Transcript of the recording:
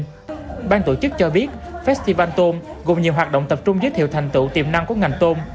tổ chức ban tổ chức cho biết festival tôn gồm nhiều hoạt động tập trung giới thiệu thành tựu tiềm năng của ngành tôn